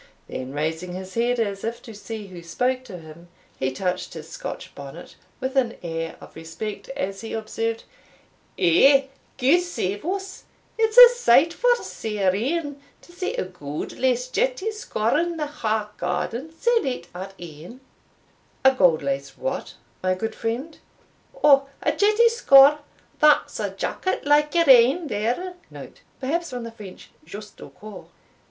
Then raising his head, as if to see who spoke to him, he touched his Scotch bonnet with an air of respect, as he observed, "Eh, gude safe us! it's a sight for sair een, to see a gold laced jeistiecor in the Ha'garden sae late at e'en." "A gold laced what, my good friend?" "Ou, a jeistiecor* that's a jacket like your ain, there. They * Perhaps from the French _Juste au corps.